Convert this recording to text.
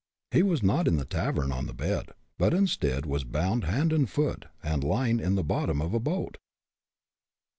He was not in the tavern, on the bed, but instead, was bound hand and foot, and lying in the bottom of a boat!